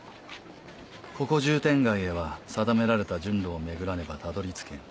ここ渋天街へは定められた順路を巡らねばたどり着けん。